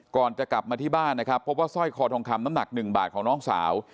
ก่อนจะกลับมาที่บ้านนะครับพบว่าสร้อยคอทองคำน้ำหนัก๑บาทของน้องสาว